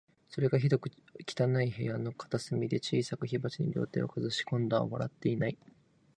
それが、ひどく汚い部屋の片隅で、小さい火鉢に両手をかざし、今度は笑っていない